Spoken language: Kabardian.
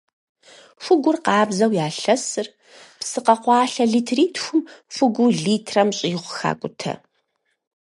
Хугур къабзэу ялъэсыр, псы къэкъуалъэ литритхум хугуу литрэм щӏигъу хакӏутэ.